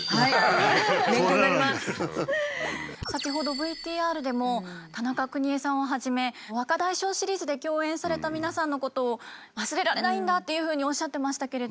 先ほどＶＴＲでも田中邦衛さんをはじめ「若大将」シリーズで共演された皆さんのことを忘れられないんだっていうふうにおっしゃってましたけれども。